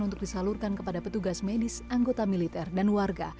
untuk disalurkan kepada petugas medis anggota militer dan warga